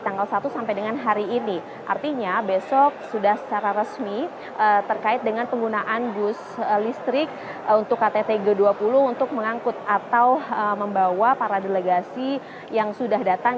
tanggal satu sampai dengan hari ini artinya besok sudah secara resmi terkait dengan penggunaan bus listrik untuk ktt g dua puluh untuk mengangkut atau membawa para delegasi yang sudah datang